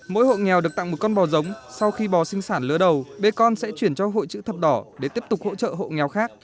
mỗi hộ nghèo được tặng một con bò giống sau khi bò sinh sản lỡ đầu bế con sẽ chuyển cho hội chữ thập đỏ để tiếp tục hỗ trợ hộ nghèo khác